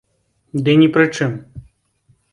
Ды ні пры чым.